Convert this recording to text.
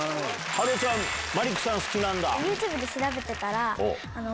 芭路ちゃんマリックさん好きなんだ。